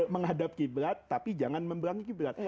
menghadap qiblat tapi jangan membelakangi qiblat